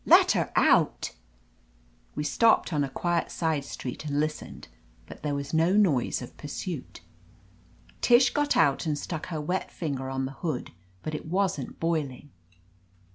"Letter out !" We stopped on a quiet side street and lis tened, but there was no noise of pursuit. Tish got out and stuck her wet finger on the hood, but it wasn't boiling.